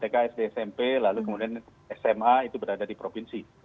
terkait masalah soal jenjang pendidikan tksdsmp lalu kemudian sma itu berada di provinsi